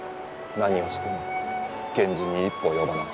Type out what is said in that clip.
何をしても源氏に一歩及ばない。